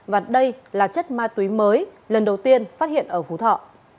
và đây là chất ma túy mới lần đầu tiên phát hiện ở phú thọ